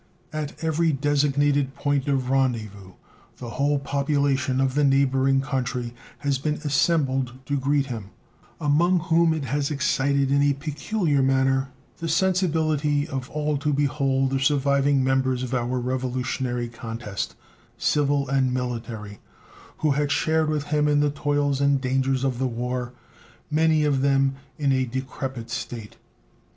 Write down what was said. At every designated point of rendezvous the whole population of the neighboring country has been assembled to greet him, among whom it has excited in a peculiar manner the sensibility of all to behold the surviving members of our Revolutionary contest, civil and military, who had shared with him in the toils and dangers of the war, many of them in a decrepit state.